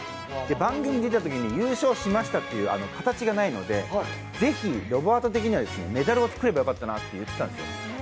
番組出たときに優勝しましたっていう形がなかったのでぜひロバート的にはメダルを作ればよかったなと言ってたんです。